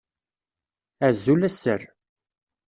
Azul a sser!